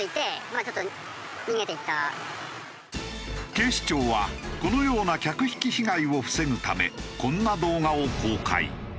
警視庁はこのような客引き被害を防ぐためこんな動画を公開。